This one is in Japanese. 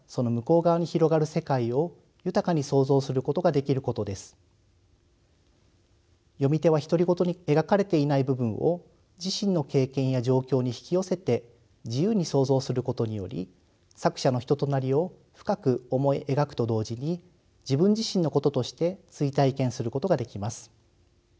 ３つ目の意義と可能性は読み手は独り言に描かれていない部分を自身の経験や状況に引き寄せて自由に想像することにより作者の人となりを深く思い描くと同時に自分自身のこととして追体験することができます。